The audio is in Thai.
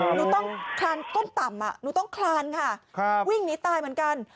หนูต้องคลานก้นต่ำหนูต้องคลานค่ะวิ่งหนีตายเหมือนกัน